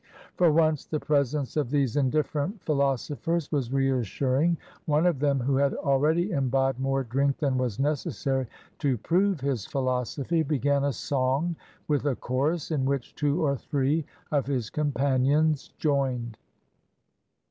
For once the presence of these indifferent philo sophers was reassuring, one of them, who had already imbibed more drink than was necessary to prove his philosophy, began a song with a chorus in which two ot three of his companions joined.